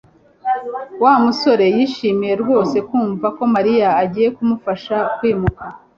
Wa musore yishimiye rwose kumva ko Mariya agiye kumufasha kwimuka